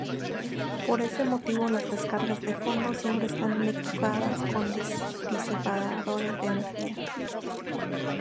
Por ese motivo las descargas de fondo siempre están equipadas con disipadores de energía.